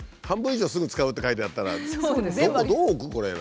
半分以上「すぐ使う」って書いてあったらどこ？